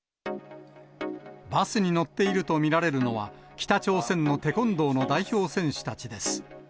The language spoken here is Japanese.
バスに乗っていると見られるのは、北朝鮮のテコンドーの代表選手たちです。